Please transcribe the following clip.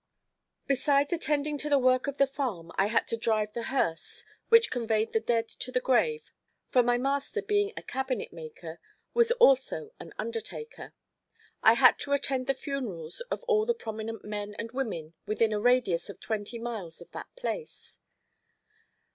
Besides attending to the work of the farm I had to drive the hearse which conveyed the dead to the grave, for my master being a cabinet maker, was also an undertaker. I had to attend the funerals of all the prominent men and women within a radius of twenty miles of that place.